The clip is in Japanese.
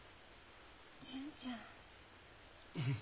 純ちゃん。